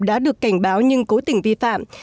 đã được cảnh báo nhưng cố tình vi phạm